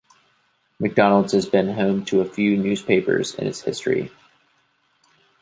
McDonald has been home to a few newspapers in its history.